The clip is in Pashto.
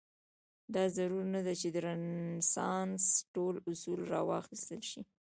دا ضرور نه ده چې د رنسانس ټول اصول راواخیستل شي.